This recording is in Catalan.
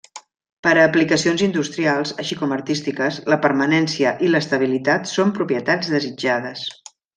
Per a aplicacions industrials, així com artístiques, la permanència i l'estabilitat són propietats desitjades.